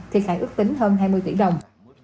thiệt hại ước tính hơn hai mươi tỷ đồng